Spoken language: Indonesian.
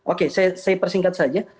oke saya persingkat saja